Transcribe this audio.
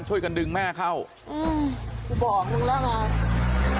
ช่วยกันดึงแม่เข้าอืมกูบอกมึงแล้วไง